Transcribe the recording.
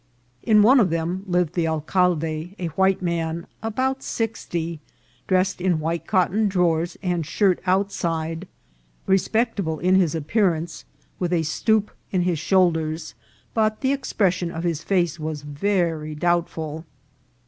In one ef them lived the alcalde, a white man, about sixty, dressed in white cotton drawers, and shirt outside, respectable in his appearance, with a stoop in his shoulders, but the expression of his face was very doubtful.